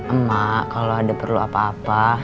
emak kalau ada perlu apa apa